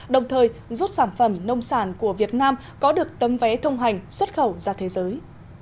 đồng thời giúp sản phẩm nông sản của việt nam có được tấm vé thông hành xuất khẩu ra thế giới